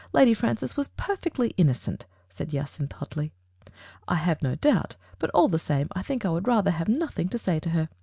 Lady Francis was perfectly innocent," said Jacynth hotly. "I have no doubt, but all the same I think I would rather have nothing to say to her.